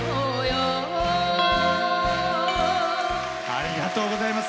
ありがとうございます。